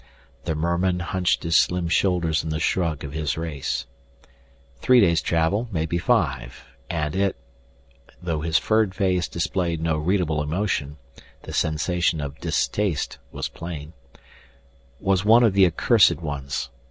The merman hunched his slim shoulders in the shrug of his race. "Three days' travel, maybe five. And it" though his furred face displayed no readable emotion, the sensation of distaste was plain "was one of the accursed ones.